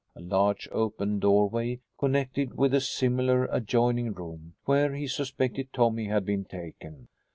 A large open doorway connected with a similar adjoining room, where he suspected Tommy had been taken.